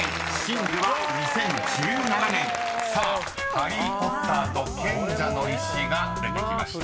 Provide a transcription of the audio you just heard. ［『ハリー・ポッターと賢者の石』が出てきました］